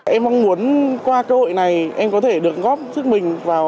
em mong muốn qua cơ hội này em có thể được góp sức mình vào